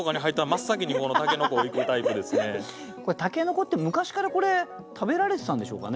筍って昔からこれ食べられてたんでしょうかね？